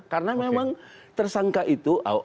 karena memang tersangka itu